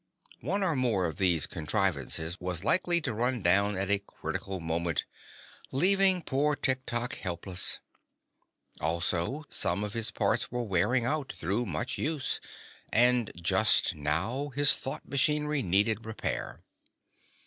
One or more of these contrivances was likely to run down at a critical moment, leaving poor Tiktok helpless. Also some of his parts were wearing out, through much use, and just now his thought machinery needed repair.